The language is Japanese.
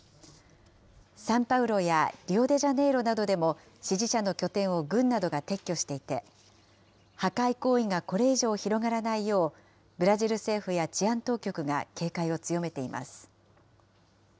サンパウロやリオデジャネイロなどでも支持者の拠点を軍などが撤去していて、破壊行為がこれ以上広がらないよう、ブラジル政府や治安当局が警戒を強めています。